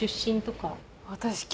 私。